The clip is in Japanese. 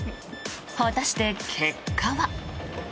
果たして、結果は。